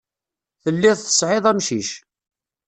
Telliḍ tesɛiḍ amcic.